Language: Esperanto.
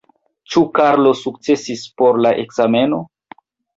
Ĉu Karlo sukcesis por la ekzameno?